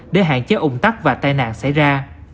để hạn chế ung tắc và tai nạn xảy ra